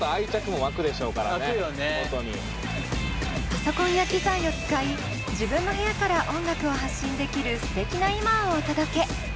パソコンや機材を使い自分の部屋から音楽を発信できるすてきな今をお届け。